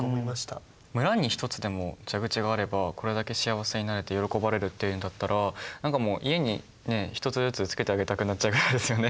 村に一つでも蛇口があればこれだけ幸せになれて喜ばれるっていうんだったら何かもう家に一つずつつけてあげたくなっちゃうぐらいですよね。